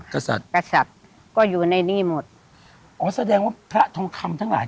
กษัตริย์กษัตริย์ก็อยู่ในนี่หมดอ๋อแสดงว่าพระทองคำทั้งหลาย